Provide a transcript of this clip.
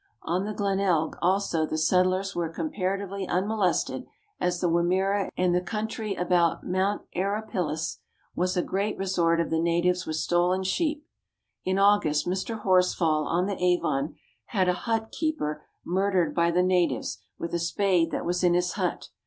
On the Glenelg, also, the settlers were comparatively unmolested, as the Wimmera and the country about Mount Arapiles was a great resort of the natives with stolen sheep. In August Mr. Horsfall, on the Avon, had a hut keeper mur dered by the natives, with a spade that was in his hut.